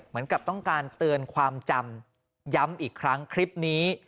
เหมือนกับต้องการเตือนความจำย้ำอีกครั้งคลิปนี้